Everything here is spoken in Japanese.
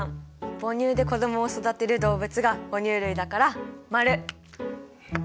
母乳で子どもを育てる動物が哺乳類だから○！